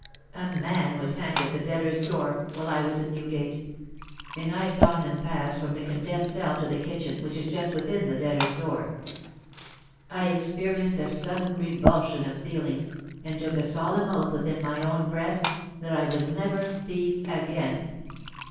A man was hanged at the debtors' door, while I was in Newgate: and I saw him pass from the condemned cell to the kitchen, which is just within the debtors' door. I experienced a sudden revulsion of feeling, and took a solemn oath within my own breast that I would never thieve again.